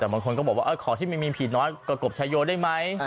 แต่บางคนก็บอกว่าขอที่ไม่มีผิดน้อยกว่ากบชายโยได้ไหม